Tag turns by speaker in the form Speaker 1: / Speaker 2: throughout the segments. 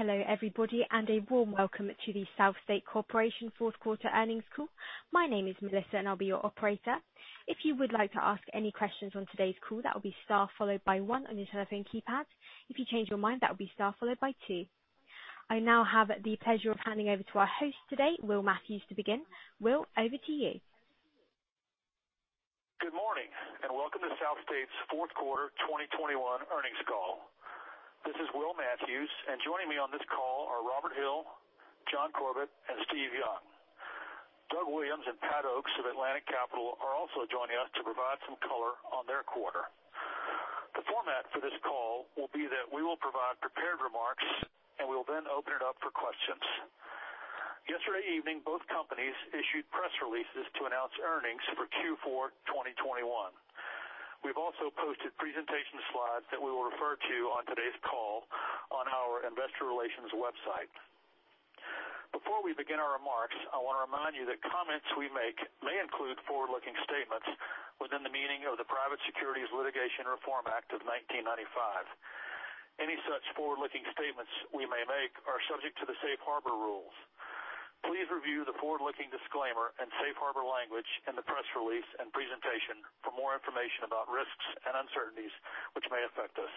Speaker 1: Hello everybody, and a warm Welcome to the SouthState Corporation fourth quarter earnings call. My name is Melissa, and I'll be your operator. If you would like to ask any questions on today's call, that will be star followed by one on your telephone keypad. If you change your mind, that will be star followed by two. I now have the pleasure of handing over to our host today, Will Matthews to begin. Will, over to you.
Speaker 2: Good morning and Welcome to SouthState's fourth quarter 2021 earnings call. This is Will Matthews, and joining me on this call are Robert Hill, John Corbett and Steve Young. Doug Williams and Pat Oakes of Atlantic Capital are also joining us to provide some color on their quarter. The format for this call will be that we will provide prepared remarks and we will then open it up for questions. Yesterday evening, both companies issued press releases to announce earnings for Q4 2021. We've also posted presentation slides that we will refer to on today's call on our investor relations website. Before we begin our remarks, I want to remind you that comments we make may include forward-looking statements within the meaning of the Private Securities Litigation Reform Act of 1995. Any such forward-looking statements we may make are subject to the safe harbor rules. Please review the forward-looking disclaimer and safe harbor language in the press release and presentation for more information about risks and uncertainties which may affect us.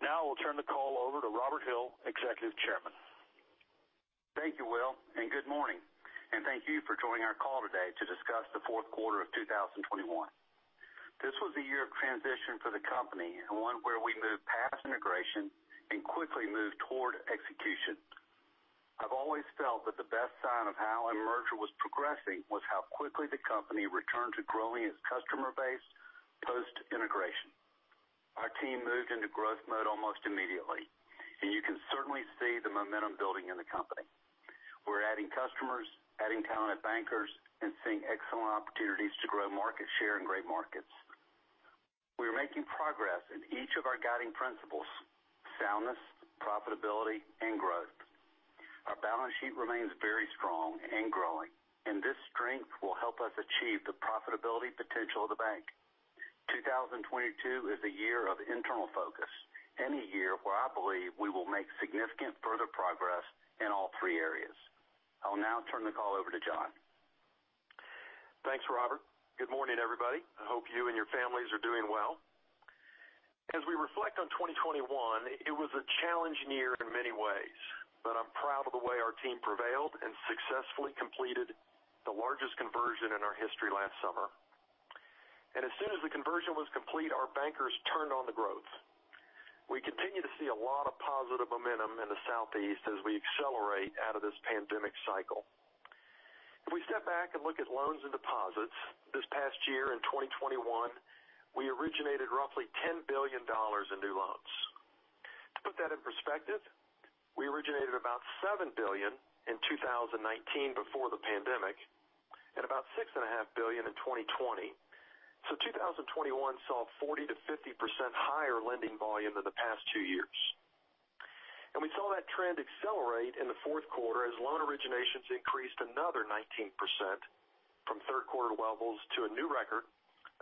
Speaker 2: Now I will turn the call over to Robert Hill, Executive Chairman.
Speaker 3: Thank you, Will, and good morning and thank you for joining our call today to discuss the fourth quarter of 2021. This was a year of transition for the company and one where we moved past integration and quickly moved toward execution. I've always felt that the best sign of how a merger was progressing was how quickly the company returned to growing its customer base post-integration. Our team moved into growth mode almost immediately, and you can certainly see the momentum building in the company. We're adding customers, adding talented bankers, and seeing excellent opportunities to grow market share in great markets. We are making progress in each of our guiding principles, soundness, profitability and growth. Our balance sheet remains very strong and growing, and this strength will help us achieve the profitability potential of the bank. 2022 is a year of internal focus and a year where I believe we will make significant further progress in all three areas. I'll now turn the call over to John.
Speaker 4: Thanks, Robert. Good morning, everybody. I hope you and your families are doing well. As we reflect on 2021, it was a challenging year in many ways, but I'm proud of the way our team prevailed and successfully completed the largest conversion in our history last summer. As soon as the conversion was complete, our bankers turned on the growth. We continue to see a lot of positive momentum in the Southeast as we accelerate out of this pandemic cycle. If we step back and look at loans and deposits this past year in 2021, we originated roughly $10 billion in new loans. To put that in perspective, we originated about $7 billion in 2019 before the pandemic and about $6.5 billion in 2020. 2021 saw 40%-50% higher lending volume than the past two years. We saw that trend accelerate in the fourth quarter as loan originations increased another 19% from third quarter levels to a new record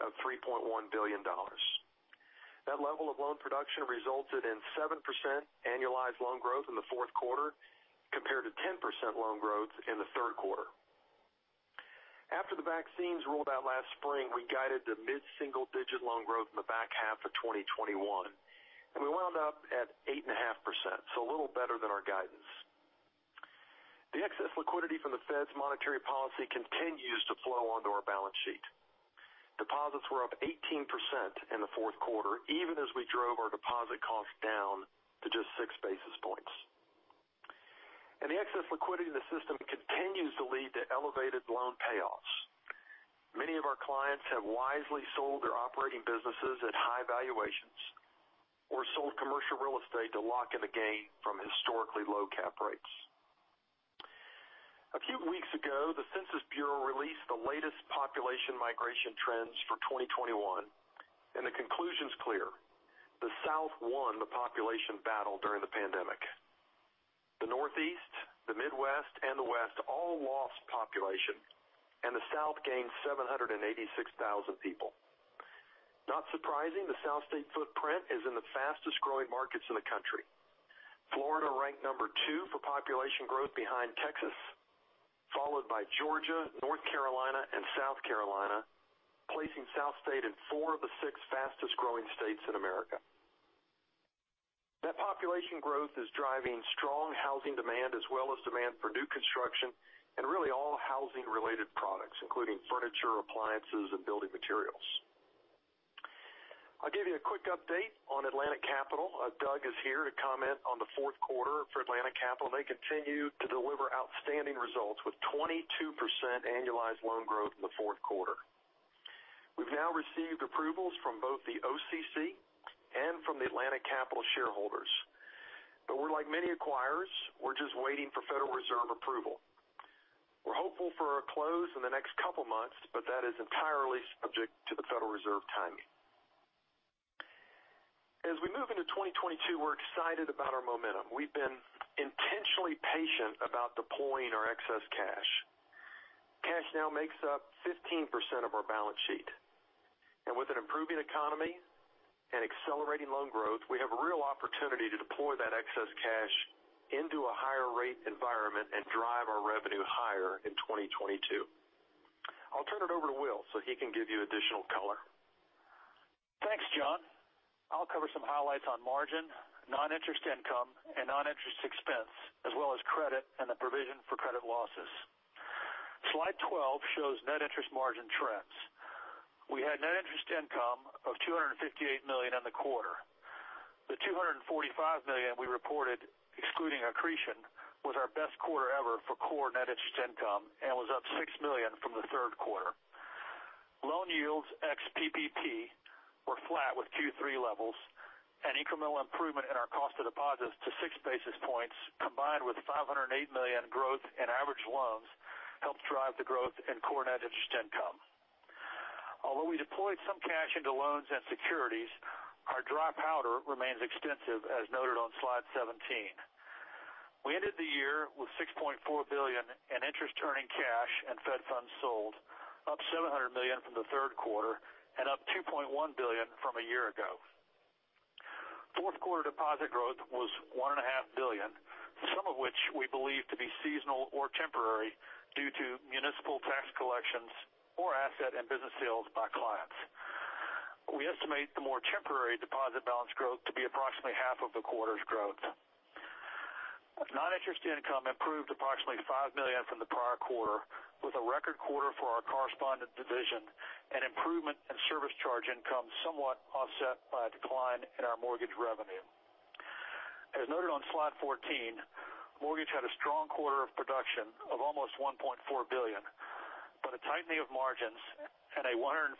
Speaker 4: of $3.1 billion. That level of loan production resulted in 7% annualized loan growth in the fourth quarter, compared to 10% loan growth in the third quarter. After the vaccines rolled out last spring, we guided to mid-single digit loan growth in the back half of 2021, and we wound up at 8.5%, so a little better than our guidance. The excess liquidity from the Fed's monetary policy continues to flow onto our balance sheet. Deposits were up 18% in the fourth quarter, even as we drove our deposit costs down to just 6 basis points. The excess liquidity in the system continues to lead to elevated loan payoffs. Many of our clients have wisely sold their operating businesses at high valuations or sold commercial real estate to lock in a gain from historically low cap rates. A few weeks ago, the Census Bureau released the latest population migration trends for 2021, and the conclusion is clear, the South won the population battle during the pandemic. The Northeast, the Midwest and the West all lost population and the South gained 786,000 people. Not surprising, the SouthState footprint is in the fastest-growing markets in the country. Florida ranked number two for population growth behind Texas, followed by Georgia, North Carolina and South Carolina, placing SouthState in four of the six fastest-growing states in America. That population growth is driving strong housing demand as well as demand for new construction and really all housing related products, including furniture, appliances and building materials. I'll give you a quick update on Atlantic Capital. Doug is here to comment on the fourth quarter for Atlantic Capital. They continue to deliver outstanding results with 22% annualized loan growth in the fourth quarter. We've now received approvals from both the OCC and from the Atlantic Capital shareholders. We're like many acquirers, we're just waiting for Federal Reserve approval. We're hopeful for a close in the next couple months, but that is entirely subject to the Federal Reserve timing. As we move into 2022, we're excited about our momentum. We've been intentionally patient about deploying our excess cash. Cash now makes up 15% of our balance sheet. With an improving economy and accelerating loan growth, we have a real opportunity to deploy that excess cash into a higher rate environment and drive our revenue higher in 2022. I'll turn it over to Will, so he can give you additional color.
Speaker 2: Thanks, John. I'll cover some highlights on margin, non-interest income, and non-interest expense, as well as credit and the provision for credit losses. Slide 12 shows net interest margin trends. We had net interest income of $258 million in the quarter. The $245 million we reported excluding accretion was our best quarter ever for core net interest income and was up $6 million from the third quarter. Loan yields ex PPP were flat with Q3 levels. An incremental improvement in our cost of deposits to 6 basis points, combined with $508 million growth in average loans helped drive the growth in core net interest income. Although we deployed some cash into loans and securities, our dry powder remains extensive as noted on Slide 17. We ended the year with $6.4 billion in interest-bearing cash and Fed funds sold, up $700 million from the third quarter and up $2.1 billion from a year ago. Fourth quarter deposit growth was $1.5 billion, some of which we believe to be seasonal or temporary due to municipal tax collections or asset and business sales by clients. We estimate the more temporary deposit balance growth to be approximately half of the quarter's growth. Non-interest income improved approximately $5 million from the prior quarter, with a record quarter for our correspondent division and improvement in service charge income somewhat offset by a decline in our mortgage revenue. As noted on slide 14, mortgage had a strong quarter of production of almost $1.4 billion, but a tightening of margins and a $156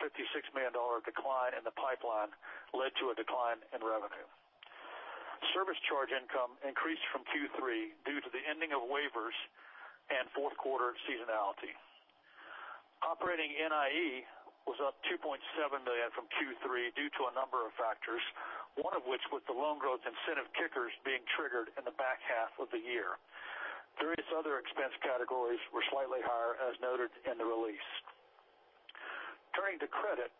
Speaker 2: million decline in the pipeline led to a decline in revenue. Service charge income increased from Q3 due to the ending of waivers and fourth quarter seasonality. Operating NIE was up $2.7 million from Q3 due to a number of factors, one of which was the loan growth incentive kickers being triggered in the back half of the year. Various other expense categories were slightly higher as noted in the release. Turning to credit,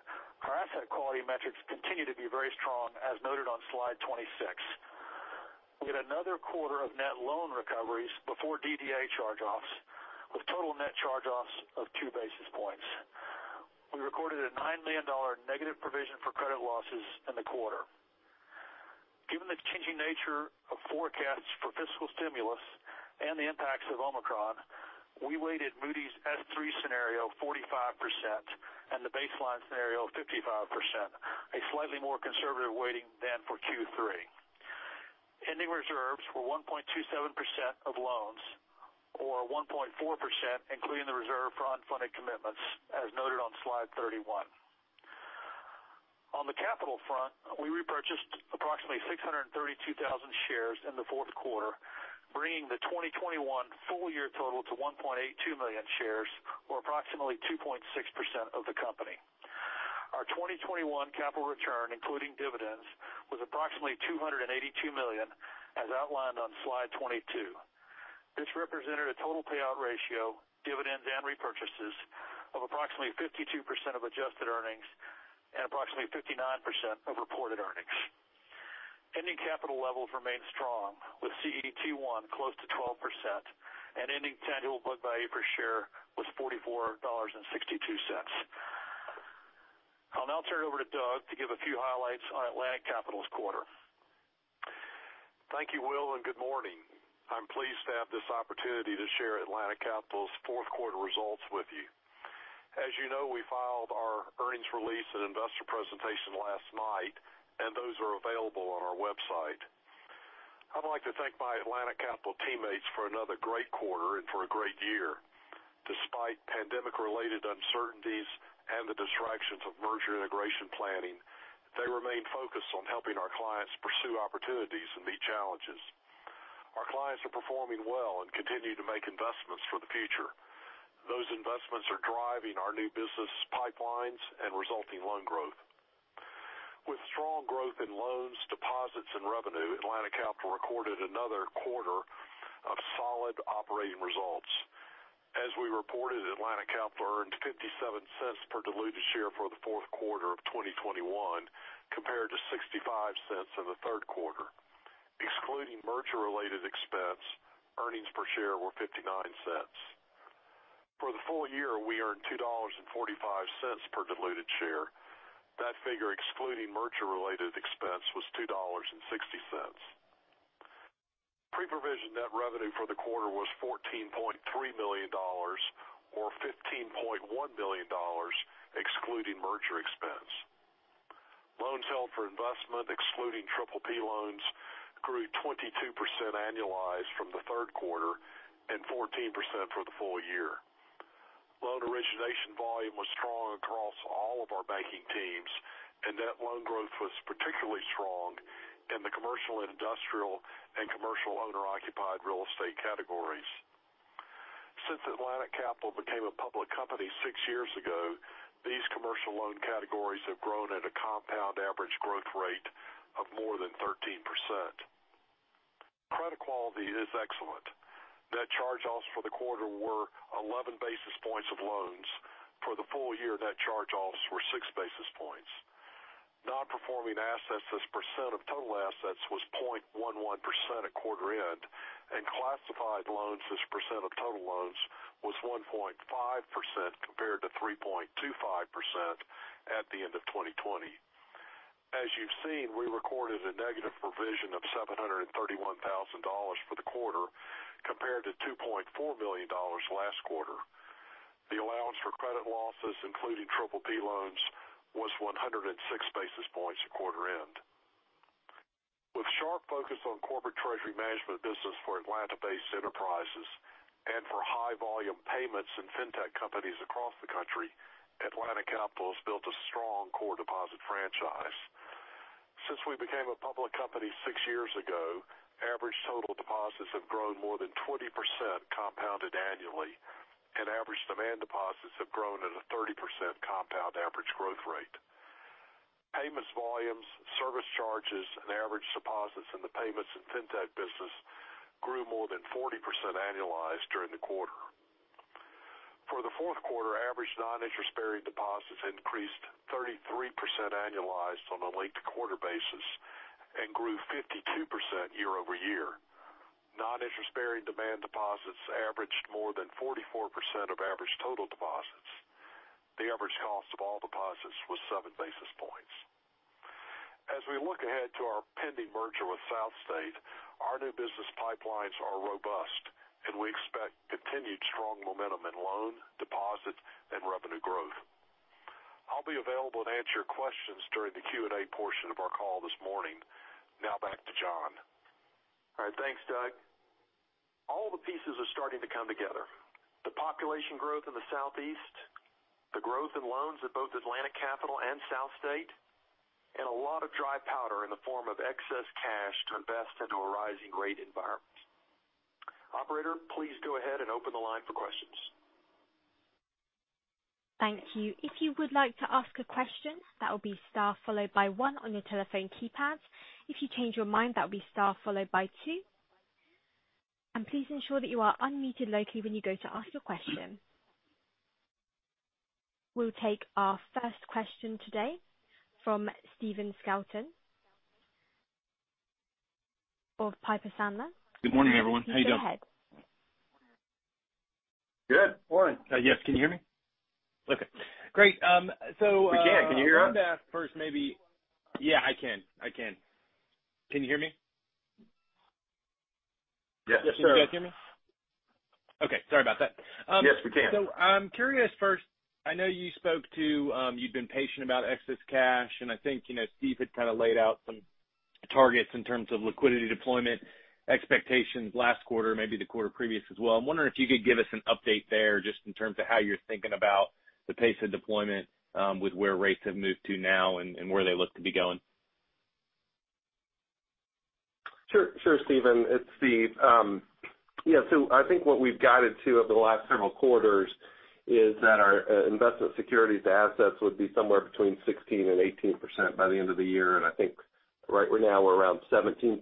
Speaker 2: our asset quality metrics continue to be very strong as noted on slide 26. We had another quarter of net loan recoveries before DDA charge-offs, with total net charge-offs of 2 basis points. We recorded a $9 million negative provision for credit losses in the quarter. Given the changing nature of forecasts for fiscal stimulus and the impacts of Omicron, we weighted Moody's S3 scenario 45% and the baseline scenario of 55%, a slightly more conservative weighting than for Q3. Ending reserves were 1.27% of loans or 1.4%, including the reserve for unfunded commitments as noted on slide 31. On the capital front, we repurchased approximately 632,000 shares in the fourth quarter, bringing the 2021 full year total to 1.82 million shares or approximately 2.6% of the company. Our 2021 capital return, including dividends, was approximately $282 million as outlined on slide 22. This represented a total payout ratio, dividends and repurchases of approximately 52% of adjusted earnings and approximately 59% of reported earnings. Ending capital levels remain strong, with CET1 close to 12% and ending tangible book value per share was $44.62. I'll now turn it over to Doug to give a few highlights on Atlantic Capital's quarter.
Speaker 5: Thank you, Will, and good morning. I'm pleased to have this opportunity to share Atlantic Capital's fourth quarter results with you. As you know, we filed our earnings release and investor presentation last night, and those are available on our website. I'd like to thank my Atlantic Capital teammates for another great quarter and for a great year. Despite pandemic-related uncertainties and the distractions of merger integration planning, they remain focused on helping our clients pursue opportunities and meet challenges. Our clients are performing well and continue to make investments for the future. Those investments are driving our new business pipelines and resulting loan growth. With strong growth in loans, deposits, and revenue, Atlantic Capital recorded another quarter of solid operating results. As we reported, Atlantic Capital earned $0.57 per diluted share for the fourth quarter of 2021 compared to $0.65 in the third quarter. Excluding merger-related expense, earnings per share were $0.59. For the full year, we earned $2.45 per diluted share. That figure, excluding merger-related expense, was $2.60. Pre-provision net revenue for the quarter was $14.3 million or $15.1 million excluding merger expense. Loans held for investment excluding PPP loans grew 22% annualized from the third quarter and 14% for the full year. Loan origination volume was strong across all of our banking teams, and net loan growth was particularly strong in the commercial and industrial and commercial owner-occupied real estate categories. Since Atlantic Capital became a public company six years ago, these commercial loan categories have grown at a compound average growth rate of more than 13%. Credit quality is excellent. Net charge-offs for the quarter were 11 basis points of loans. For the full year, net charge-offs were 6 basis points. Nonperforming assets as percent of total assets was 0.11% at quarter end, and classified loans as percent of total loans was 1.5% compared to 3.25% at the end of 2020. As you've seen, we recorded a negative provision of $731,000 for the quarter compared to $2.4 million last quarter. The allowance for credit losses, including PPP loans, was 106 basis points at quarter end. With sharp focus on corporate treasury management business for Atlanta-based enterprises and for high volume payments and fintech companies across the country, Atlantic Capital has built a strong core deposit franchise. Since we became a public company six years ago, average total deposits have grown more than 20% compounded annually, and average demand deposits have grown at a 30% compound average growth rate. Payment's volumes, service charges, and average deposits in the payments and fintech business grew more than 40% annualized during the quarter. For the fourth quarter, average non-interest-bearing deposits increased 33% annualized on a linked quarter basis and grew 52% year-over-year. Non-interest-bearing demand deposits averaged more than 44% of average total deposits. The average cost of all deposits was 7 basis points. As we look ahead to our pending merger with SouthState, our new business pipelines are robust, and we expect continued strong momentum in loan, deposits, and revenue growth. I'll be available to answer your questions during the Q&A portion of our call this morning. Now back to John.
Speaker 4: All right. Thanks, Doug. All the pieces are starting to come together. The population growth in the Southeast, the growth in loans at both Atlantic Capital and SouthState, and a lot of dry powder in the form of excess cash to invest into a rising rate environment. Operator, please go ahead and open the line for questions.
Speaker 1: Thank you. If you would like to ask a question, that will be star followed by one on your telephone keypads. If you change your mind, that will be star followed by two. Please ensure that you are unmuted locally when you go to ask your question. We'll take our first question today from Stephen Scouten of Piper Sandler.
Speaker 6: Good morning, everyone. How you doing?
Speaker 2: Good morning.
Speaker 6: Yes, can you hear me? Okay, great.
Speaker 2: We can. Can you hear us?
Speaker 6: I'm going to ask first. Yeah, I can. Can you hear me?
Speaker 2: Yes, sir.
Speaker 6: Can you guys hear me? Okay, sorry about that.
Speaker 2: Yes, we can.
Speaker 6: I'm curious first. I know you spoke to, you'd been patient about excess cash, and I think, you know, Steve had kind of laid out some targets in terms of liquidity deployment expectations last quarter, maybe the quarter previous as well. I'm wondering if you could give us an update there just in terms of how you're thinking about the pace of deployment, with where rates have moved to now and where they look to be going.
Speaker 7: Sure, Stephen. It's Steve. I think what we've guided to over the last several quarters is that our investment securities assets would be somewhere between 16%-18% by the end of the year. I think right now we're around 17%.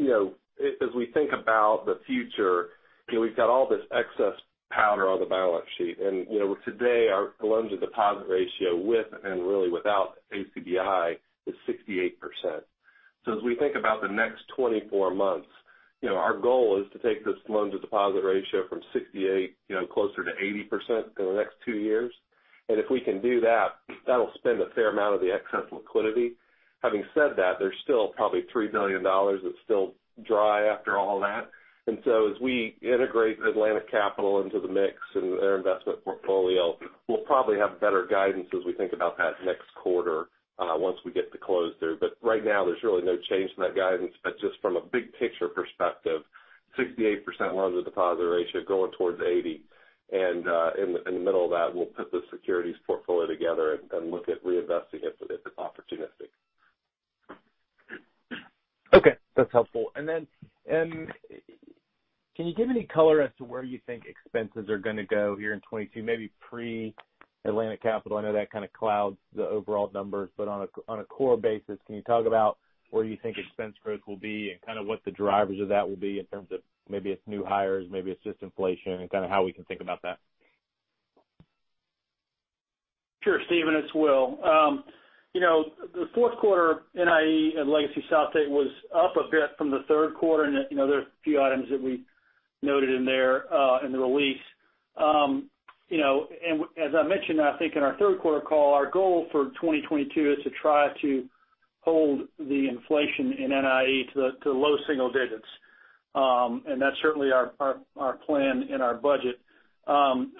Speaker 7: You know, as we think about the future, you know, we've got all this excess powder on the balance sheet, and, you know, today our loans to deposit ratio with and really without ACBI is 68%. As we think about the next 24 months, you know, our goal is to take this loans to deposit ratio from 68%, you know, closer to 80% in the next two years. If we can do that'll spend a fair amount of the excess liquidity. Having said that, there's still probably $3 million that's still dry after all that. As we integrate Atlantic Capital into the mix and their investment portfolio, we'll probably have better guidance as we think about that next quarter, once we get the close there. Right now, there's really no change in that guidance. Just from a big picture perspective, 68% loans to deposit ratio going toward 80%. In the middle of that, we'll put the securities portfolio together and look at reinvesting it if it's opportunistic.
Speaker 6: Okay, that's helpful. Can you give any color as to where you think expenses are going to go here in 2022, maybe pre–Atlantic Capital? I know that kind of clouds the overall numbers, but on a core basis, can you talk about where you think expense growth will be and kind of what the drivers of that will be in terms of maybe it's new hires, maybe it's just inflation and kind of how we can think about that?
Speaker 2: Sure, Stephen, it's Will. You know, the fourth quarter NIE at legacy SouthState was up a bit from the third quarter. You know, there's a few items that we noted in there in the release. You know, as I mentioned, I think in our third quarter call, our goal for 2022 is to try to hold the inflation in NIE to low single digits. That's certainly our plan and our budget.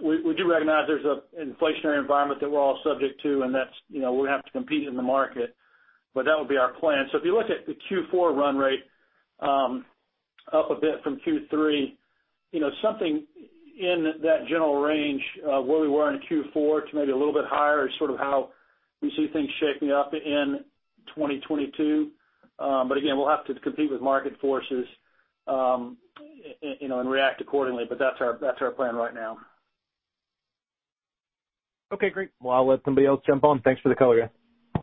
Speaker 2: We do recognize there's an inflationary environment that we're all subject to, and that's, you know, we have to compete in the market, but that would be our plan. If you look at the Q4 run rate, up a bit from Q3, you know, something in that general range, where we were in Q4 to maybe a little bit higher is sort of how we see things shaping up in 2022. Again, we'll have to compete with market forces, you know, and react accordingly. That's our plan right now.
Speaker 6: Okay, great. Well, I'll let somebody else jump on. Thanks for the color, yeah.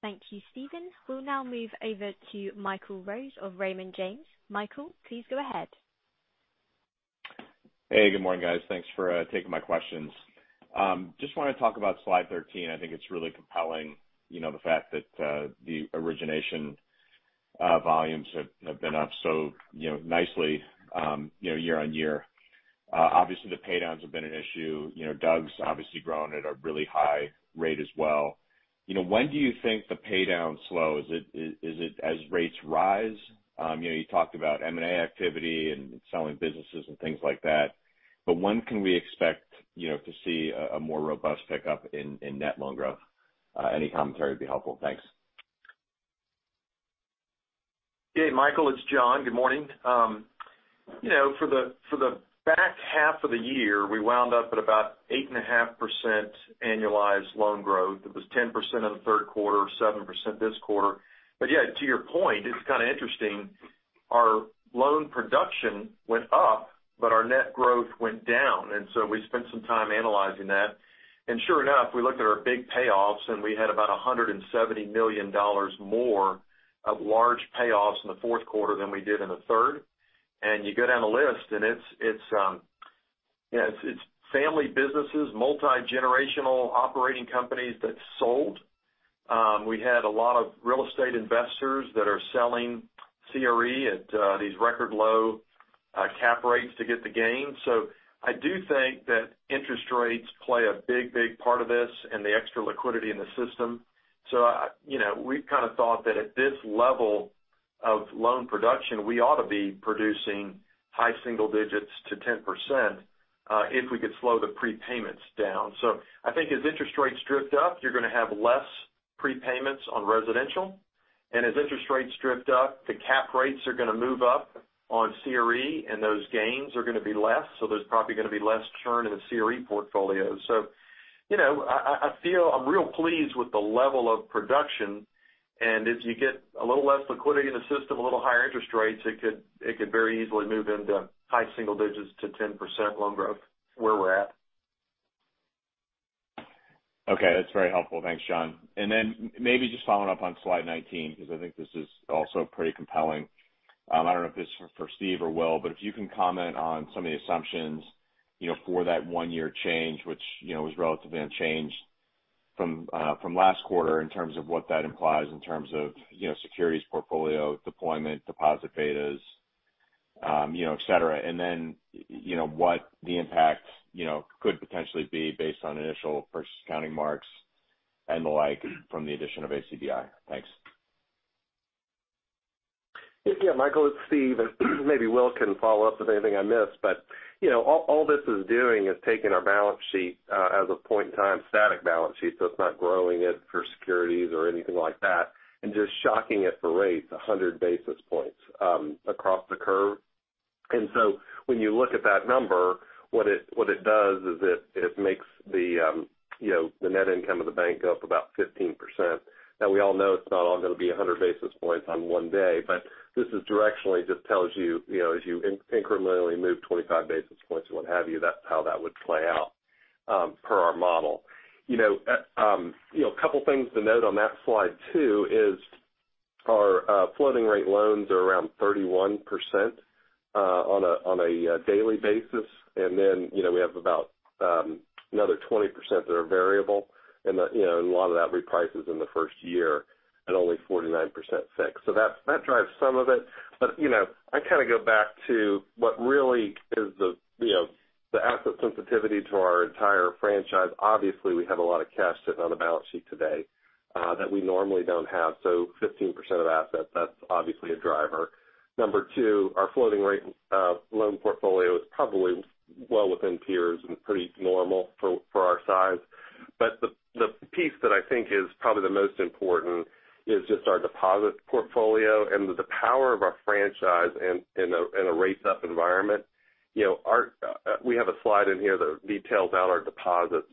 Speaker 1: Thank you, Stephen. We'll now move over to Michael Rose of Raymond James. Michael, please go ahead.
Speaker 8: Hey, good morning, guys. Thanks for taking my questions. Just wanna talk about slide 13. I think it's really compelling, you know, the fact that the origination volumes have been up so, you know, nicely, you know, year on year. Obviously the pay downs have been an issue. You know, Doug's obviously grown at a really high rate as well. You know, when do you think the pay down slows? Is it as rates rise? You know, you talked about M&A activity and selling businesses and things like that. When can we expect, you know, to see a more robust pickup in net loan growth? Any commentary would be helpful. Thanks.
Speaker 4: Hey, Michael, it's John. Good morning. You know, for the back half of the year, we wound up at about 8.5% annualized loan growth. It was 10% in the third quarter, 7% this quarter. Yeah, to your point, it's kind of interesting, our loan production went up, but our net growth went down. We spent some time analyzing that. Sure enough, we looked at our big payoffs, and we had about $170 million more of large payoffs in the fourth quarter than we did in the third. You go down the list and its family businesses, multi-generational operating companies that sold. We had a lot of real estate investors that are selling CRE at these record low cap rates to get the gain. I do think that interest rates play a big, big part of this and the extra liquidity in the system. You know, we've kind of thought that at this level of loan production, we ought to be producing high single digits to 10%, if we could slow the prepayments down. I think as interest rates drift up, you're gonna have less prepayments on residential. As interest rates drift up, the cap rates are gonna move up on CRE, and those gains are gonna be less. There's probably gonna be less churn in the CRE portfolio. You know, I feel I'm real pleased with the level of production, and as you get a little less liquidity in the system, a little higher interest rates, it could very easily move into high single digits to 10% loan growth where we're at.
Speaker 8: Okay. That's very helpful. Thanks, John. Maybe just following up on slide 19, because I think this is also pretty compelling. I don't know if this is for Steve or Will, but if you can comment on some of the assumptions, you know, for that one-year change, which you know, was relatively unchanged from last quarter in terms of what that implies in terms of, you know, securities portfolio, deployment, deposit betas, you know, et cetera. You know, what the impact, you know, could potentially be based on initial purchase accounting marks and the like from the addition of ACBI. Thanks.
Speaker 7: Yeah, Michael, it's Steve. Maybe Will can follow up with anything I miss. You know, all this is doing is taking our balance sheet, as a point in time static balance sheet, so it's not growing it for securities or anything like that, and just shocking it for rates 100 basis points, across the curve. When you look at that number, what it does is it makes, you know, the net income of the bank goes up about 15%. Now, we all know it's not all gonna be 100 basis points on one day. This directionally just tells you know, as you incrementally move 25 basis points and what have you, that's how that would play out, per our model. You know, a couple things to note on that slide too is our floating rate loans are around 31%, on a daily basis. Then, you know, we have about another 20% that are variable. And the, you know, and a lot of that reprices in the first year at only 49% fixed. That drives some of it. You know, I kind of go back to what really is the asset sensitivity to our entire franchise. Obviously, we have a lot of cash sitting on the balance sheet today that we normally don't have. So, 15% of assets, that's obviously a driver. Number two, our floating rate loan portfolio is probably well within peers and pretty normal for our size. The piece that I think is probably the most important is just our deposit portfolio and the power of our franchise in a rate-up environment. You know, we have a slide in here that details out our deposits.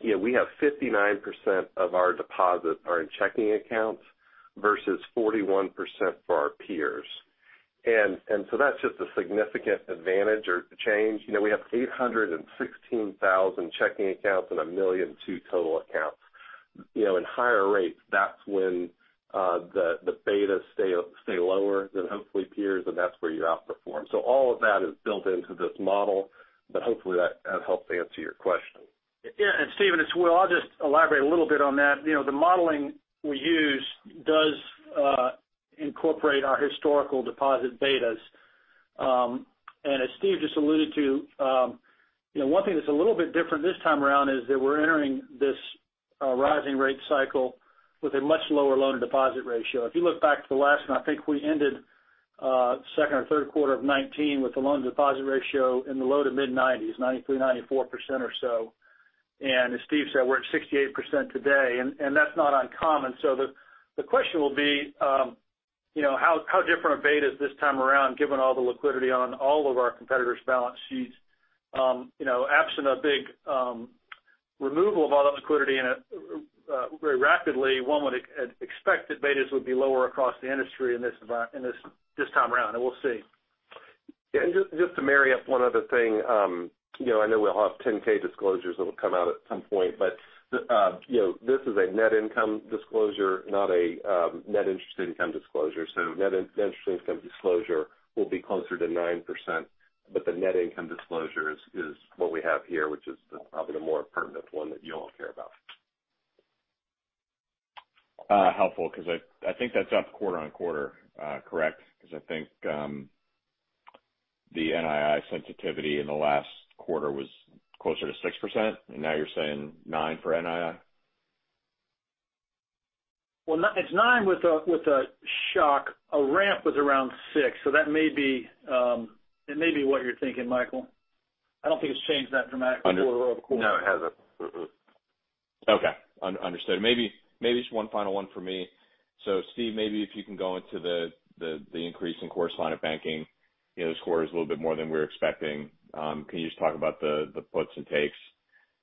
Speaker 7: You know, we have 59% of our deposits are in checking accounts versus 41% for our peers. That's just a significant advantage or change. You know, we have 816,000 checking accounts and 1.2 million total accounts. You know, in higher rates, that's when the betas stay lower than hopefully peers, and that's where you outperform. All of that is built into this model, but hopefully that helped answer your question.
Speaker 2: Yeah. Stephen, it's Will. I'll just elaborate a little bit on that. You know, the modeling we use does incorporate our historical deposit betas. As Steve just alluded to, you know, one thing that's a little bit different this time around is that we're entering this rising rate cycle with a much lower loan to deposit ratio. If you look back to the last one, I think we ended second or third quarter of 2019 with the loan to deposit ratio in the low to mid 90%, 93%, 94% or so. As Steve said, we're at 68% today, and that's not uncommon. The question will be, you know, how different are betas this time around, given all the liquidity on all of our competitors' balance sheets. You know, absent a big removal of all that liquidity in a very rapidly, one would expect that betas would be lower across the industry in this time around, and we'll see.
Speaker 7: Yeah, just to marry up one other thing, you know, I know we'll have 10-K disclosures that'll come out at some point, but you know, this is a net income disclosure, not a net interest income disclosure. Net interest income disclosure will be closer to 9%, but the net income disclosure is what we have here, which is probably the more pertinent one that you all care about.
Speaker 8: Helpful because I think that's up quarter-over-quarter, correct? Because I think the NII sensitivity in the last quarter was closer to 6%, and now you're saying 9% for NII.
Speaker 2: Well, it's 9% with a shock. A ramp was around 6%. That may be what you're thinking, Michael. I don't think it's changed that dramatically quarter-over-quarter.
Speaker 8: Under-
Speaker 7: No, it hasn't.
Speaker 8: Understood. Maybe just one final one for me. Steve, maybe if you can go into the increase in correspondent banking. You know, the core is a little bit more than we were expecting. Can you just talk about the puts and takes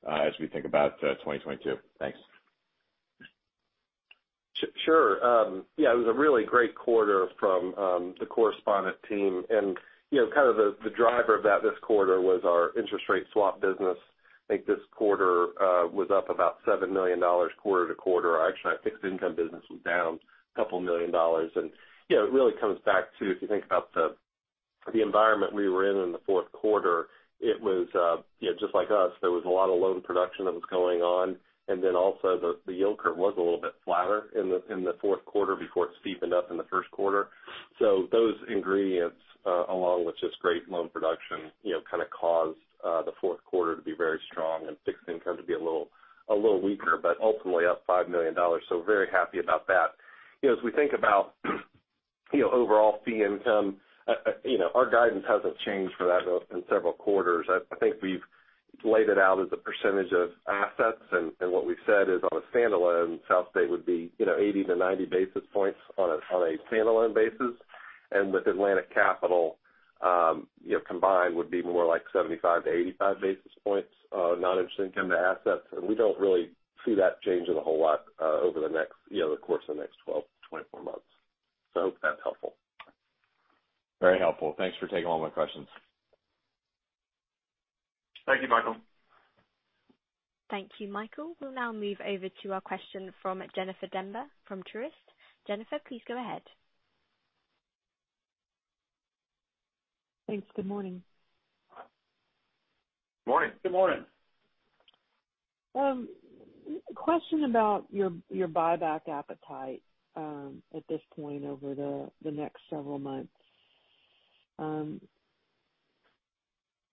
Speaker 8: as we think about 2022? Thanks.
Speaker 7: Sure. Yeah, it was a really great quarter from the correspondent team. You know, kind of the driver of that this quarter was our interest rate swap business. I think this quarter was up about $7 million quarter to quarter. Actually, our fixed income business was down a couple million dollars. You know, it really comes back to, if you think about the environment, we were in in the fourth quarter, it was, you know, just like us, there was a lot of loan production that was going on. The yield curve was a little bit flatter in the fourth quarter before it steepened up in the first quarter. Those ingredients, along with just great loan production, you know, kind of caused the fourth quarter to be very strong and fixed income to be a little weaker, but ultimately up $5 million. Very happy about that. You know, as we think about you know, overall fee income, you know, our guidance hasn't changed for that in several quarters. I think we've laid it out as a percentage of assets. What we've said is on a standalone, SouthState would be, you know, 80-90 basis points on a standalone basis. With Atlantic Capital, you know, combined would be more like 75-85 basis points, non-interest income to assets. We don't really see that changing a whole lot, over the next, you know, the course of the next 12-24 months. I hope that's helpful.
Speaker 8: Very helpful. Thanks for taking all my questions.
Speaker 2: Thank you, Michael.
Speaker 1: Thank you, Michael. We'll now move over to our question from Jennifer Demba from Truist. Jennifer, please go ahead.
Speaker 9: Thanks. Good morning.
Speaker 2: Morning.
Speaker 7: Good morning.
Speaker 9: Question about your buyback appetite, at this point over the next several months. How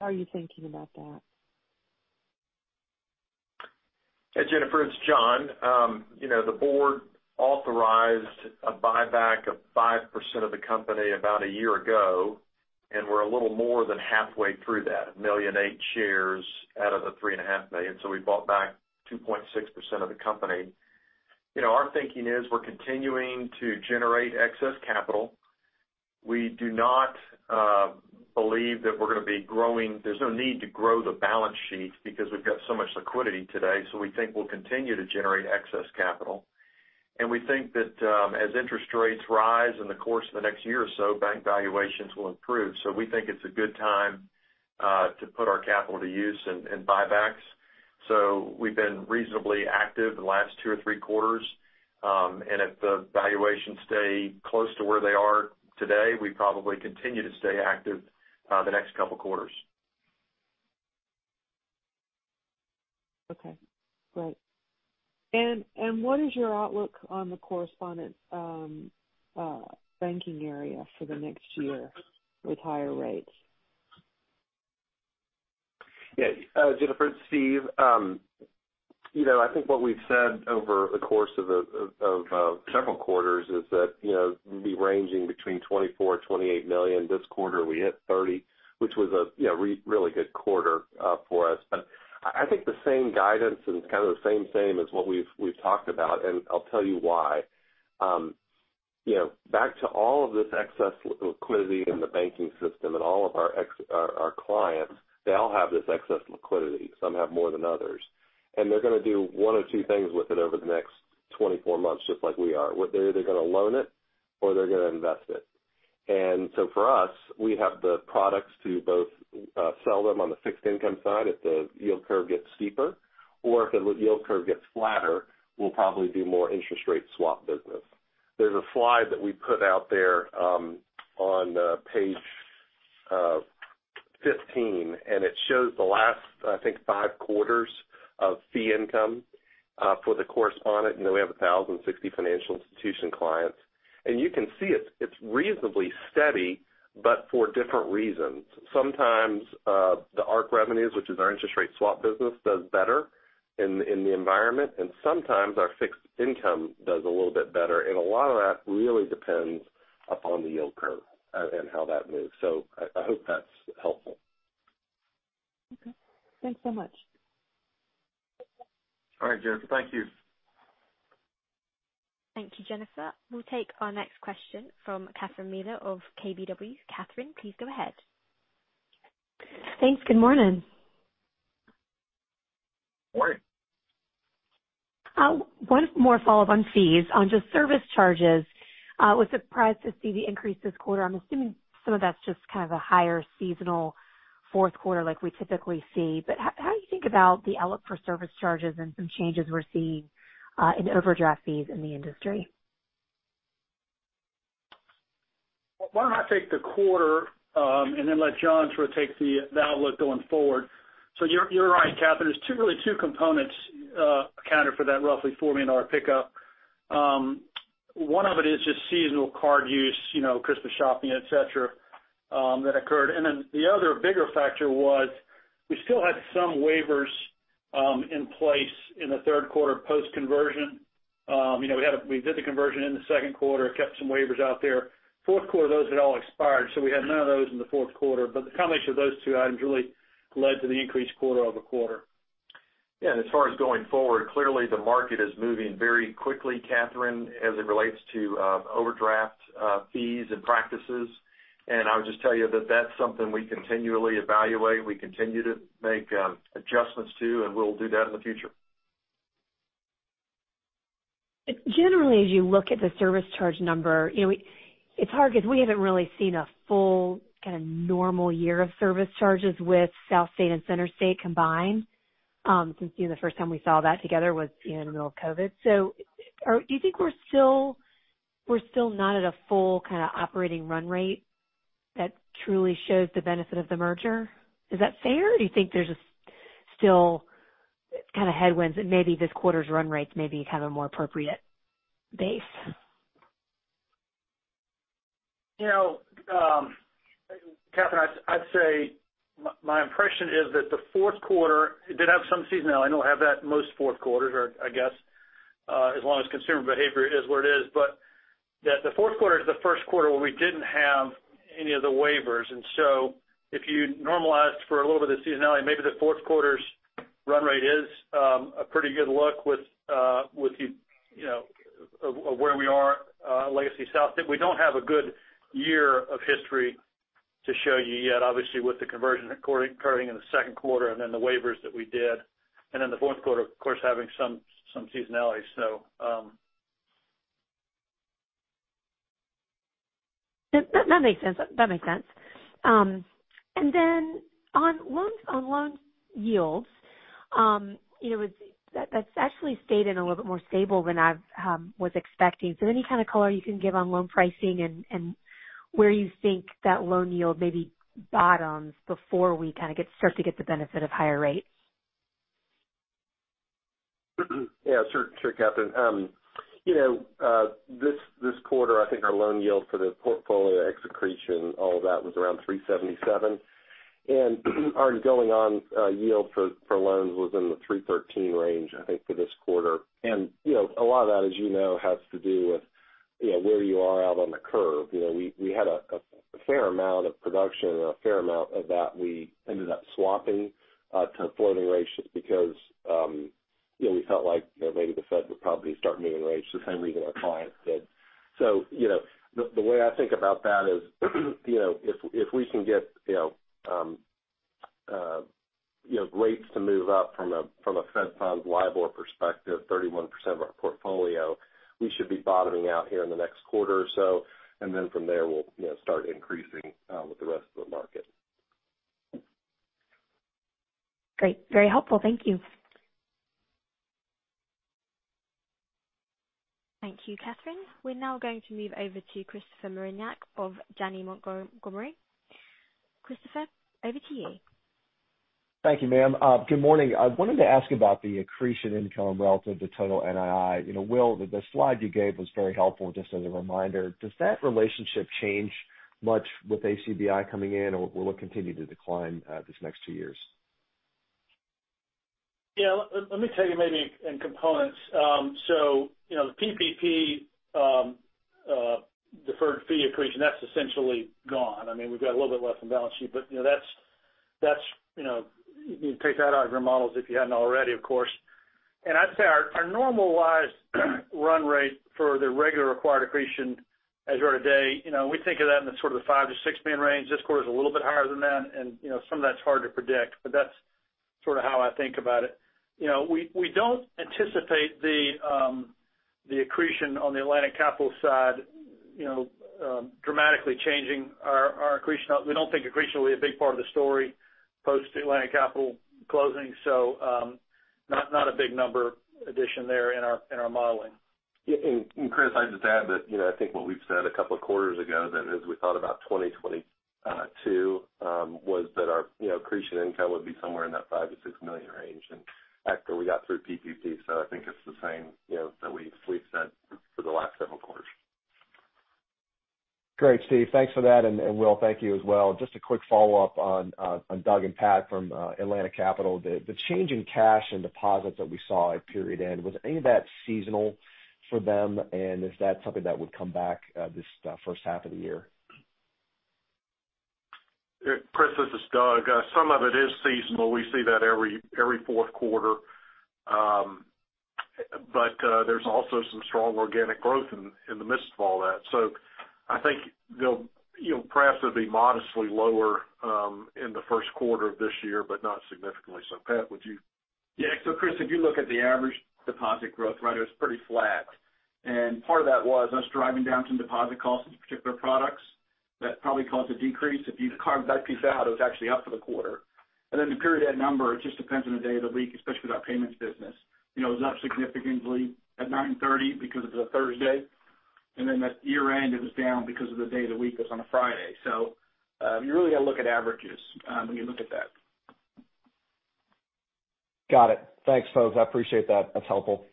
Speaker 9: are you thinking about that?
Speaker 4: Hey, Jennifer, it's John. You know, the board authorized a buyback of 5% of the company about a year ago, and we're a little more than halfway through that, 1.8 million shares out of the 3.5 million. We bought back 2.6% of the company. You know, our thinking is we're continuing to generate excess capital. We do not believe that we're going to be growing. There's no need to grow the balance sheet because we've got so much liquidity today. We think we'll continue to generate excess capital. We think that, as interest rates rise in the course of the next year or so, bank valuations will improve. We think it's a good time to put our capital to use in buybacks. We've been reasonably active the last two or three quarters. If the valuations stay close to where they are today, we probably continue to stay active the next couple quarters.
Speaker 9: Okay, great. What is your outlook on the correspondent banking area for the next year with higher rates?
Speaker 7: Yeah. Jennifer, it's Steve. You know, I think what we've said over the course of several quarters is that, you know, we'd be ranging between $24 million-$28 million. This quarter, we hit $30 million, which was you know really good quarter for us. I think the same guidance and kind of the same as what we've talked about, and I'll tell you why. You know, back to all of this excess liquidity in the banking system and all of our clients, they all have this excess liquidity. Some have more than others. They're going to do one of two things with it over the next 24 months, just like we are. They're either going to loan it or they're going to invest it. For us, we have the products to both sell them on the fixed income side if the yield curve gets steeper, or if the yield curve gets flatter, we'll probably do more interest rate swap business. There's a slide that we put out there on page 15, and it shows the last, I think, five quarters of fee income for the correspondent, and then we have 1,060 financial institution clients. You can see it's reasonably steady, but for different reasons. Sometimes the ARC revenues, which is our interest rate swap business, does better in the environment, and sometimes our fixed income does a little bit better. A lot of that really depends upon the yield curve and how that moves. I hope that's helpful.
Speaker 9: Okay. Thanks so much.
Speaker 7: All right, Jennifer. Thank you.
Speaker 1: Thank you, Jennifer. We'll take our next question from Catherine Mealor of KBW. Catherine, please go ahead.
Speaker 10: Thanks. Good morning.
Speaker 2: Morning.
Speaker 10: One more follow-up on fees. On just service charges, I was surprised to see the increase this quarter. I'm assuming some of that's just kind of a higher seasonal fourth quarter like we typically see. How do you think about the outlook for service charges and some changes we're seeing in overdraft fees in the industry?
Speaker 2: Why don't I take the quarter and then let John sort of take the outlook going forward. You're right, Catherine. There are really two components accounted for that roughly $40 million pickup. One of it is just seasonal card use, you know, Christmas shopping, et cetera, that occurred. The other bigger factor was we still had some waivers in place in the third quarter post conversion. You know, we did the conversion in the second quarter, kept some waivers out there. Fourth quarter, those had all expired, so we had none of those in the fourth quarter. The combination of those two items really led to the increased quarter-over-quarter.
Speaker 7: Yeah. As far as going forward, clearly the market is moving very quickly, Catherine, as it relates to overdraft fees and practices. I would just tell you that that's something we continually evaluate, we continue to make adjustments to, and we'll do that in the future.
Speaker 10: Generally, as you look at the service charge number, you know, it's hard because we haven't really seen a full kind of normal year of service charges with SouthState and CenterState combined, since, you know, the first time we saw that together was, you know, in the middle of COVID. Do you think we're still not at a full kind of operating run rate that truly shows the benefit of the merger? Is that fair? Or do you think there's still kind of headwinds and maybe this quarter's run rates may be kind of a more appropriate base?
Speaker 2: You know, Catherine, I'd say my impression is that the fourth quarter did have some seasonality. I know we have that most fourth quarters or I guess, as long as consumer behavior is where it is, that the fourth quarter is the first quarter where we didn't have any of the waivers. If you normalized for a little bit of seasonality, maybe the fourth quarter's run rate is a pretty good look with the, you know, of where we are, legacy SouthState. We don't have a good year of history to show you yet, obviously with the conversion occurring in the second quarter and then the waivers that we did. The fourth quarter, of course, having some seasonality.
Speaker 10: That makes sense. That makes sense. And then on loan yields, you know, that's actually stayed a little bit more stable than I was expecting. Any kind of color you can give on loan pricing and where you think that loan yield maybe bottoms before we kind of start to get the benefit of higher rates?
Speaker 7: Yeah, sure. Sure, Catherine. You know, this quarter, I think our loan yield for the portfolio, accretion, all of that was around 3.77%. Our going-in yield for loans was in the 3.13% range, I think for this quarter. You know, a lot of that, as you know, has to do with, you know, where you are out on the curve. You know, we had a fair amount of production and a fair amount of that we ended up swapping to floating rates just because, you know, we felt like, you know, maybe the Fed would probably start moving rates the same reason our clients did. You know, the way I think about that is, you know, if we can get, you know, rates to move up from a Fed funds LIBOR perspective, 31% of our portfolio, we should be bottoming out here in the next quarter or so. From there, we'll, you know, start increasing with the rest of the market.
Speaker 10: Great. Very helpful. Thank you.
Speaker 1: Thank you, Catherine. We're now going to move over to Christopher Marinac of Janney Montgomery. Christopher, over to you.
Speaker 11: Thank you, ma'am. Good morning. I wanted to ask about the accretion income relative to total NII. You know, Will, the slide you gave was very helpful, just as a reminder. Does that relationship change much with ACBI coming in or will it continue to decline these next two years?
Speaker 2: Yeah. Let me tell you maybe in components. You know, the PPP deferred fee accretion, that's essentially gone. I mean, we've got a little bit left on the balance sheet, but you know, that's you know, you can take that out of your models if you hadn't already, of course. I'd say our normalized run rate for the regular acquired accretion as we're today, you know, we think of that in the sort of the $5 million-$6 million range. This quarter is a little bit higher than that. You know, some of that's hard to predict, but that's sort of how I think about it. You know, we don't anticipate the accretion on the Atlantic Capital side, you know, dramatically changing our accretion. We don't think accretion will be a big part of the story post Atlantic Capital closing. Not a big number addition there in our modeling.
Speaker 7: Yeah. Chris, I'd just add that, you know, I think what we've said a couple of quarters ago then as we thought about 2022 was that our, you know, accretion income would be somewhere in that $5 million-$6 million range and after we got through PPP. I think it's the same, you know, that we've said for the last several quarters.
Speaker 11: Great, Steve. Thanks for that. Will, thank you as well. Just a quick follow-up on Doug and Pat from Atlantic Capital. The change in cash and deposits that we saw at period end, was any of that seasonal for them? Is that something that would come back this first half of the year?
Speaker 5: Chris, this is Doug. Some of it is seasonal. We see that every fourth quarter. There's also some strong organic growth in the midst of all that. I think they'll, you know, perhaps they'll be modestly lower in the first quarter of this year, but not significantly. Pat, would you?
Speaker 12: Yeah. Chris, if you look at the average deposit growth, right, it was pretty flat. Part of that was us driving down some deposit costs in particular products. That probably caused a decrease. If you carve that piece out, it was actually up for the quarter. Then the period end number, it just depends on the day of the week, especially with our payments business. You know, it was up significantly at 9:30 A.M. because it was a Thursday, and then at year-end it was down because of the day of the week was on a Friday. You really got to look at averages when you look at that.
Speaker 11: Got it. Thanks, folks. I appreciate that. That's helpful.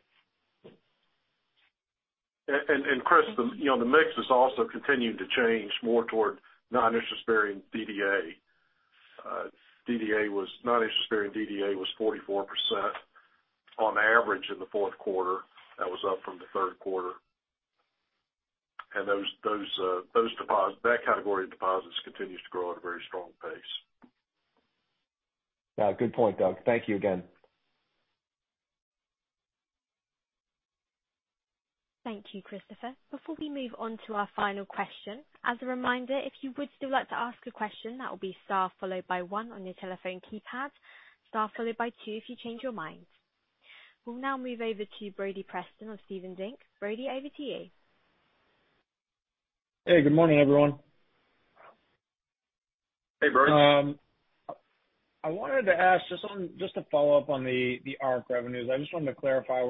Speaker 5: Chris, you know, the mix is also continuing to change more toward non-interest-bearing DDA. Non-interest-bearing DDA was 44% on average in the fourth quarter. That was up from the third quarter. And those that category of deposits continues to grow at a very strong pace.
Speaker 11: Yeah. Good point, Doug. Thank you again.
Speaker 1: Thank you, Christopher. Before we move on to our final question, as a reminder, if you would still like to ask a question, that will be star followed by one on your telephone keypad, star followed by two if you change your mind. We'll now move over to Brody Preston of Stephens Inc. Brody, over to you.
Speaker 13: Hey, good morning, everyone.
Speaker 7: Hey, Brody.
Speaker 13: I wanted to ask just to follow up on the ARC revenues. I just wanted to clarify,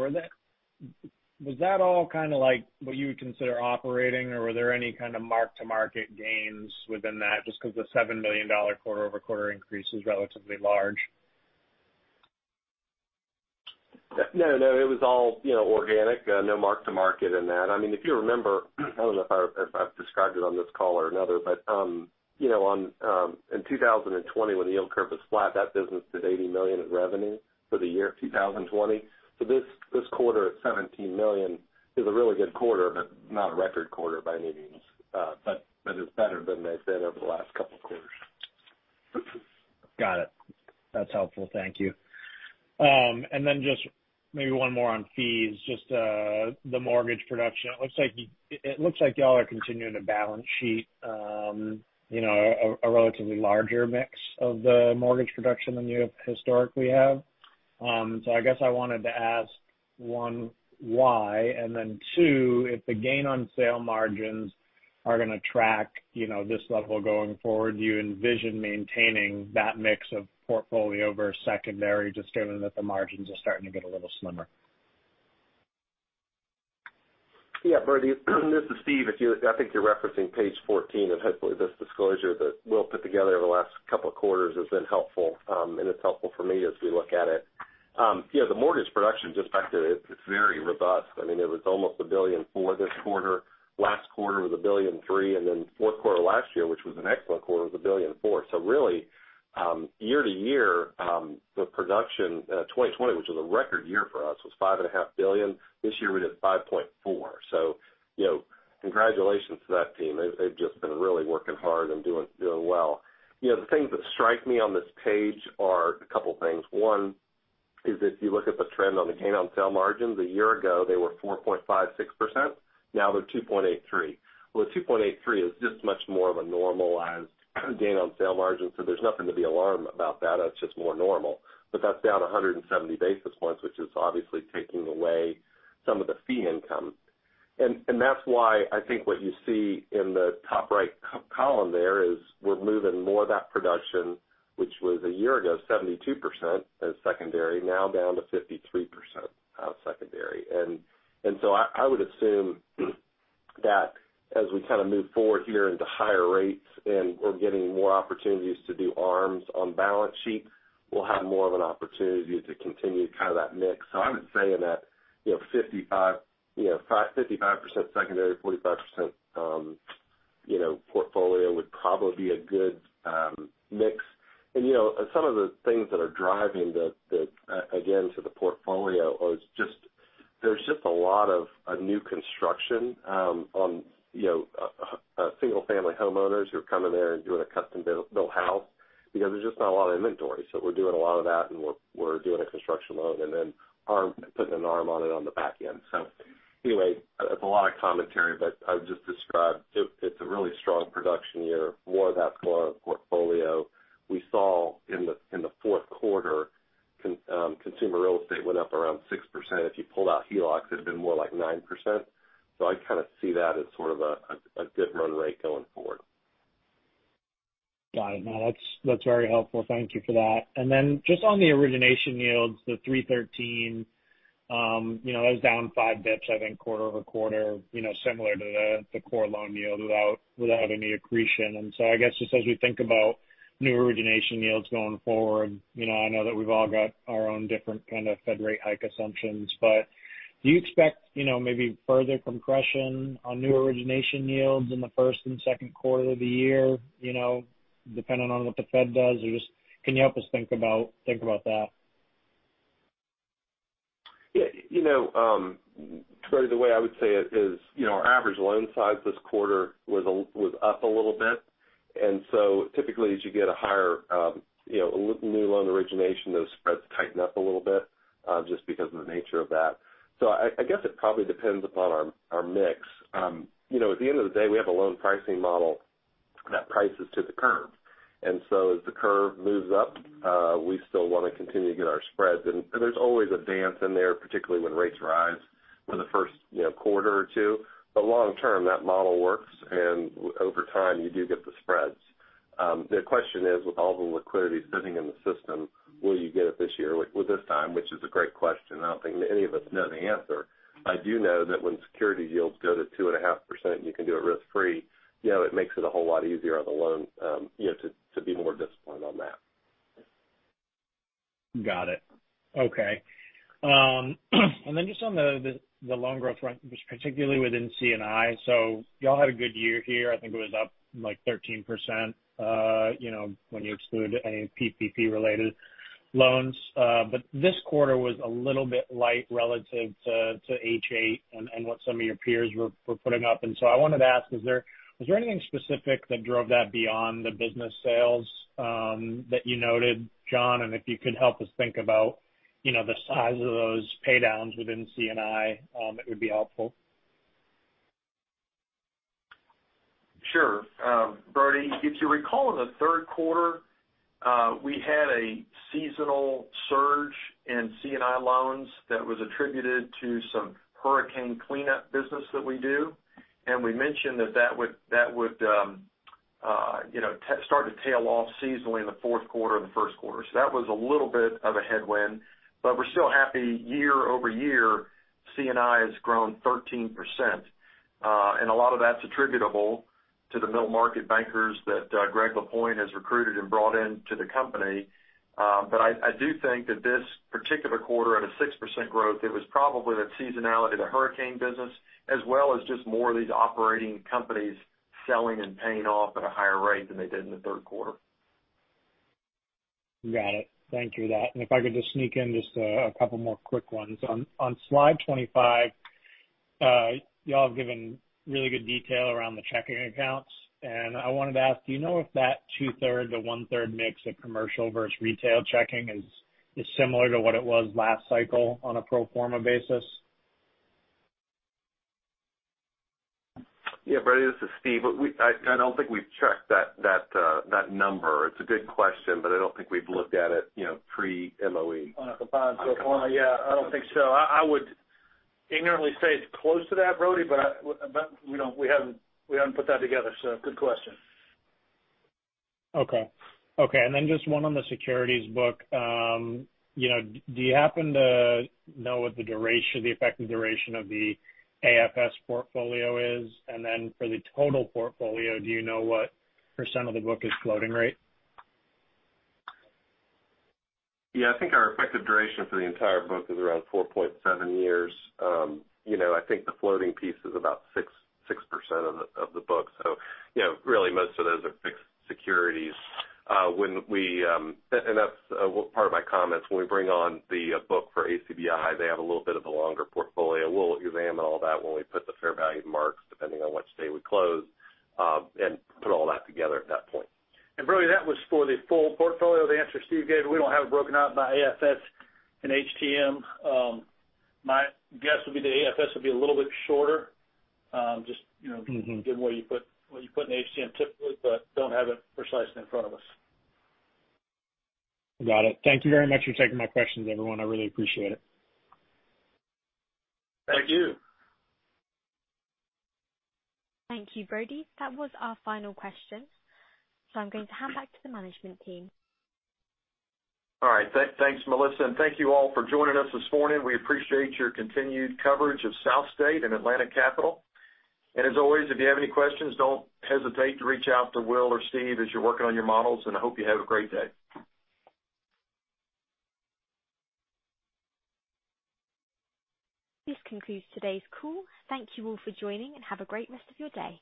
Speaker 13: was that all kind of like what you would consider operating, or were there any kind of mark-to-market gains within that, just because the $7 million quarter-over-quarter increase is relatively large?
Speaker 7: No, no. It was all, you know, organic. No mark to market in that. I mean, if you remember, I don't know if I've described it on this call or another, but you know in 2020 when the yield curve was flat, that business did $80 million in revenue for the year of 2020. This quarter at $17 million is a really good quarter, but not a record quarter by any means. But it's better than they've been over the last couple of quarters.
Speaker 13: Got it. That's helpful. Thank you. Just maybe one more on fees, just the mortgage production. It looks like y'all are continuing to balance sheet, you know, a relatively larger mix of the mortgage production than you have historically. I guess I wanted to ask, one, why? And then two, if the gain on sale margins are gonna track, you know, this level going forward, do you envision maintaining that mix of portfolio over secondary just given that the margins are starting to get a little slimmer?
Speaker 7: Yeah, Brody, this is Steve. I think you're referencing page 14, and hopefully this disclosure that we all put together over the last couple of quarters has been helpful, and it's helpful for me as we look at it. Yeah, the mortgage production just by itself, it's very robust. I mean, it was almost $1.4 billion this quarter. Last quarter was $1.3 billion, and then fourth quarter last year, which was an excellent quarter, was $1.4 billion. Really, year to year, the production, 2020, which was a record year for us, was $5.5 billion. This year, we did $5.4 billion. You know, congratulations to that team. They've just been really working hard and doing well. You know, the things that strike me on this page are a couple things. One is if you look at the trend on the gain on sale margins, a year ago, they were 4.56%. Now they're 2.83%. Well, the 2.83% is just much more of a normalized gain on sale margin, so there's nothing to be alarmed about that. That's just more normal. That's down 170 basis points, which is obviously taking away some of the fee income. That's why I think what you see in the top right column there is we're moving more of that production, which was a year ago, 72% as secondary, now down to 53%, secondary. I would assume that as we kind of move forward here into higher rates and we're getting more opportunities to do ARMs on balance sheet, we'll have more of an opportunity to continue kind of that mix. I would say in that, you know, 55% secondary, 45%, you know, portfolio would probably be a good mix. Some of the things that are driving the again to the portfolio is just there's just a lot of new construction on, you know, single-family homeowners who are coming there and doing a custom-built house because there's just not a lot of inventory. We're doing a lot of that, and we're doing a construction loan and then ARM, putting an ARM on it on the back end. That's a lot of commentary, but I would just describe it. It's a really strong production year. More of that's going to portfolio. We saw in the fourth quarter consumer real estate went up around 6%. If you pulled out HELOCs, it'd been more like 9%. I kind of see that as sort of a good run rate going forward.
Speaker 13: Got it. No, that's very helpful. Thank you for that. Just on the origination yields, the 3.13, you know, that was down five basis points I think quarter-over-quarter, you know, similar to the core loan yield without any accretion. I guess just as we think about new origination yields going forward, you know, I know that we've all got our own different kind of Fed rate hike assumptions, but do you expect, you know, maybe further compression on new origination yields in the first and second quarter of the year, you know, depending on what the Fed does? Or just can you help us think about that?
Speaker 7: You know, Brody, the way I would say it is, you know, our average loan size this quarter was up a little bit. Typically, as you get a higher, you know, new loan origination, those spreads tighten up a little bit, just because of the nature of that. I guess it probably depends upon our mix. You know, at the end of the day, we have a loan pricing model that prices to the curve. As the curve moves up, we still wanna continue to get our spreads. There's always a dance in there, particularly when rates rise for the first, you know, quarter or two. Long term, that model works, and over time, you do get the spreads. The question is, with all the liquidity sitting in the system, will you get it this year, this time, which is a great question. I don't think any of us know the answer. I do know that when security yields go to 2.5% and you can do it risk-free, you know, it makes it a whole lot easier on the loan, you know, to be more disciplined on that.
Speaker 13: Got it. Okay. Just on the loan growth front, just particularly within C&I. Y'all had a good year here. I think it was up, like, 13%, you know, when you exclude any PPP related loans. This quarter was a little bit light relative to 2H and what some of your peers were putting up. I wanted to ask, was there anything specific that drove that beyond the business sales that you noted, John? If you could help us think about, you know, the size of those pay downs within C&I, it would be helpful.
Speaker 4: Sure. Brody, if you recall, in the third quarter, we had a seasonal surge in C&I loans that was attributed to some hurricane cleanup business that we do. We mentioned that that would, you know, start to tail off seasonally in the fourth quarter and the first quarter. That was a little bit of a headwind. We're still happy year-over-year, C&I has grown 13%. A lot of that's attributable to the middle market bankers that Greg Lapointe has recruited and brought in to the company. I do think that this particular quarter at a 6% growth, it was probably the seasonality of the hurricane business, as well as just more of these operating companies selling and paying off at a higher rate than they did in the third quarter.
Speaker 13: Got it. Thank you for that. If I could just sneak in just a couple more quick ones. On slide 25, y'all have given really good detail around the checking accounts. I wanted to ask; do you know if that two-thirds to one-third mix of commercial versus retail checking is similar to what it was last cycle on a pro forma basis?
Speaker 7: Yeah, Brody, this is Steve. I don't think we've checked that number. It's a good question, but I don't think we've looked at it, you know, pre-MOE.
Speaker 4: On a combined pro forma, yeah, I don't think so. I would ignorantly say it's close to that, Brody, but, you know, we haven't put that together. Good question.
Speaker 13: Okey, just one on the securities book. You know, do you happen to know what the duration, the effective duration of the AFS portfolio is? For the total portfolio, do you know what % of the book is floating rate?
Speaker 7: Yeah. I think our effective duration for the entire book is around 4.7 years. You know, I think the floating piece is about 6% of the book. You know, really most of those are fixed securities. That's part of my comments. When we bring on the book for ACBI, they have a little bit of a longer portfolio. We'll examine all that when we put the fair value marks, depending on which day we close, and put all that together at that point.
Speaker 4: Brody, that was for the full portfolio, the answer Steve gave. We don't have it broken out by AFS and HTM. My guess would be the AFS would be a little bit shorter, just, you know.
Speaker 13: Mm-hmm.
Speaker 4: Given what you put in HTM typically, but don't have it precisely in front of us.
Speaker 13: Got it. Thank you very much for taking my questions, everyone. I really appreciate it.
Speaker 4: Thank you.
Speaker 1: Thank you, Brody. That was our final question. I'm going to hand back to the management team.
Speaker 4: All right. Thanks, Melissa, and thank you all for joining us this morning. We appreciate your continued coverage of SouthState and Atlantic Capital. As always, if you have any questions, don't hesitate to reach out to Will or Steve as you're working on your models, and I hope you have a great day.
Speaker 1: This concludes today's call. Thank you all for joining, and have a great rest of your day.